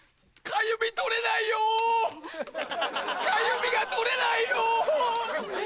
かゆみが取れないよ！